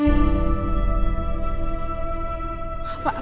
semoga putri gak dijebak lagi